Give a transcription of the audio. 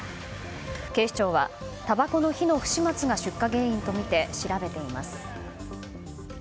警視庁はたばこの火の不始末が出火原因とみて調べています。